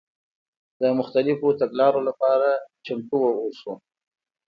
د مختلفو تګلارو لپاره باید چمتو واوسو.